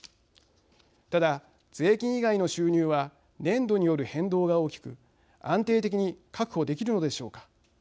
ただ税金以外の収入は年度による変動が大きく安定的に確保できるのでしょうか。